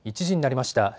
１時になりました。